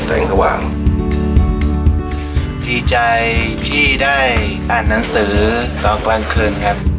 ดีใจด้านนั้นสื่อชื่อคร่ากลางคืน